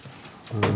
うん。